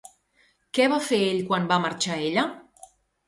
Què va fer ell quan va marxar ella?